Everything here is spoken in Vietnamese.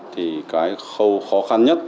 thì cái khâu khó khăn nhất